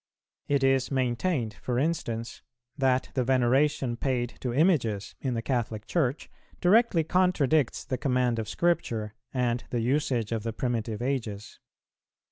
It is maintained, for instance, that the veneration paid to Images in the Catholic Church directly contradicts the command of Scripture, and the usage of the primitive ages.